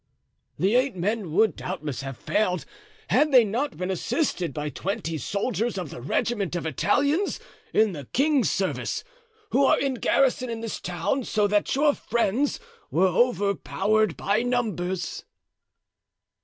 "The eight men would doubtless have failed had they not been assisted by twenty soldiers of the regiment of Italians in the king's service, who are in garrison in this town so that your friends were overpowered by numbers."